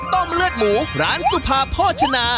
ต้มเลือดหมูร้านซุภาพ่อชนะ